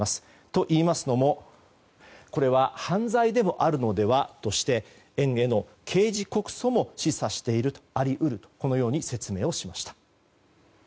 といいますのもこれは犯罪でもあるのではとして園への刑事告訴も示唆しているあり得るとこのように説明をしました。